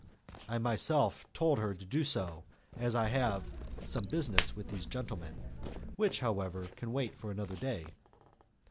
"I myself told her to do so, as I have some business with these gentlemen, which, however, can wait for another day."